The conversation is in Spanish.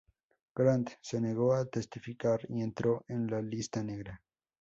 Grant se negó a testificar y entró en la lista negra.